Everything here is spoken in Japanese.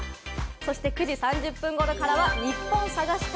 そして９時３０分頃からはニッポン探し隊。